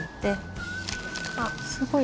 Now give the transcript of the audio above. あっすごい。